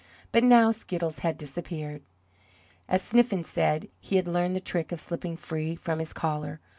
But now Skiddles had disappeared. As Sniffen said, he had learned the trick of slipping free from his collar.